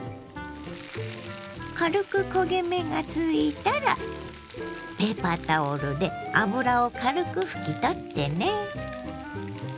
軽く焦げ目がついたらペーパータオルで油を軽く拭き取ってね。